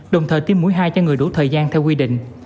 đồng thời tiêm mũi hai cho người đủ thời gian theo quy định